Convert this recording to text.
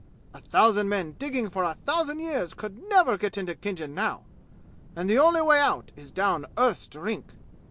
A thousand men digging for a thousand years could never get into Khinjan now, and the only way out is down Earth's Drink!